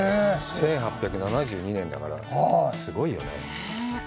１８７２年だから、すごいよね。